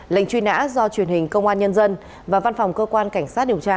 lệnh truy nã do truyền hình công an nhân dân và văn phòng cơ quan cảnh sát điều tra